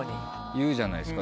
言うじゃないですか。